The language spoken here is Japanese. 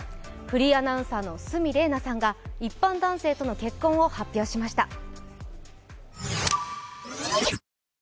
フリーアナウンサーの鷲見玲奈さんが一般男性との結婚を発表しました。